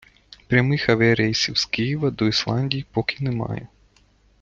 Прямих авіарейсів з Києва до Ісландії поки немає.